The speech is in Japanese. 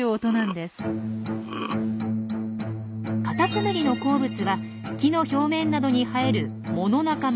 カタツムリの好物は木の表面などに生える藻の仲間